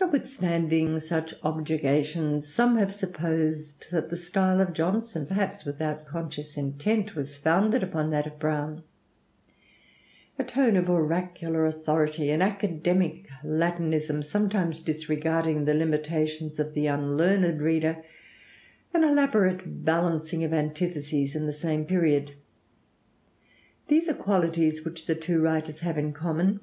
Notwithstanding such objurgations, some have supposed that the style of Johnson, perhaps without conscious intent, was founded upon that of Browne. A tone of oracular authority, an academic Latinism sometimes disregarding the limitations of the unlearned reader, an elaborate balancing of antitheses in the same period, these are qualities which the two writers have in common.